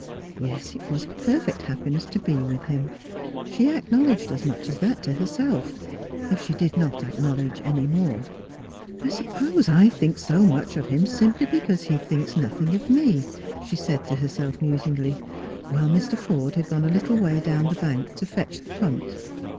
Yes, it was perfect happiness to be with him. She acknowledged as much as that to herself, if she did not acknowledge any more. " I suppose I think so much of him simply because he thinks nothing of me," she said to herself musingly, while Mr. Forde had gone a httle way down the bank to fetch the punt.